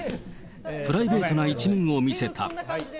プライベートな一面を見せた。